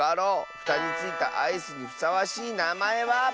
ふたについたアイスにふさわしいなまえは。